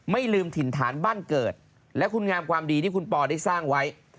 ไม่ลืมถิ่นฐานบ้านเกิดและคุณงามความดีที่คุณปอได้สร้างไว้